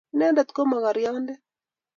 inendet ko mokorionde